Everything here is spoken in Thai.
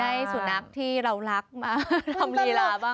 ให้สุนัขที่เรารักมาทำลีลาบ้าง